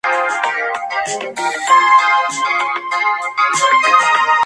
Lulu Press Inc.